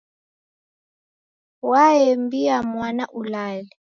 Waembia mwana ulale.